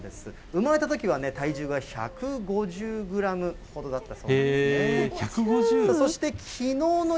産まれたときはね、体重が１５０グラムほどだったそうなんですね。